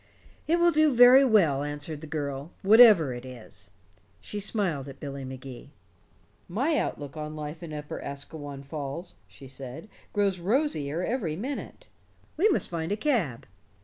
"It will do very well," answered the girl, "whatever it is." She smiled at Billy Magee. "My outlook on life in Upper Asquewan Falls," she said, "grows rosier every minute. We must find a cab."